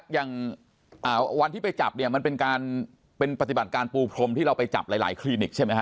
อย่างวันที่ไปจับเนี่ยมันเป็นการเป็นปฏิบัติการปูพรมที่เราไปจับหลายคลินิกใช่ไหมฮ